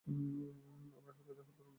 আমরা আহতদের বিরুদ্ধে যুদ্ধ করি না।